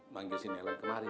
manggil si nelan kemari